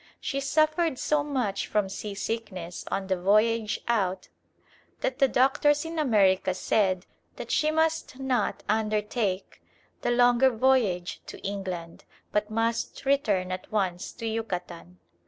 She suffered so much from seasickness on the voyage out that the doctors in America said that she must not undertake the longer voyage to England, but must return at once to Yucatan.